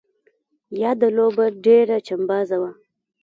یاده لوبه ډېره چمبازه وه.